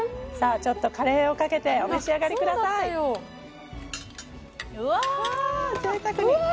ちょっとカレーをかけてお召し上がりください・うわ